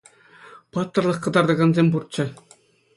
Паттӑрлӑх кӑтартакансем пурччӗ.